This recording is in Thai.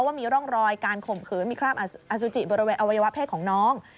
ว่ามีร่องรอยการข่มขืนมีคราบอสุจิบริเวณอวัยวะเพศของน้อง